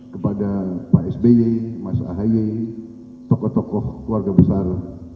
kepada pak sby mas ahaye tokoh tokoh keluarga besar